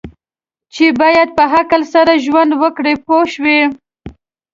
چې باید په عقل سره ژوند وکړي پوه شوې!.